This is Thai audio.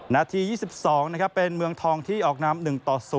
นาที๒๒นะครับเป็นเมืองทองที่ออกนำ๑ต่อ๐